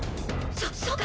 そそうか！